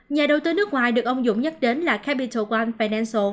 nhà đầu tư nước ngoài được ông dũng nhắc đến là capital one financial